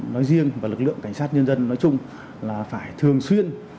nói riêng và lực lượng cảnh sát nhân dân nói chung là phải thường xuyên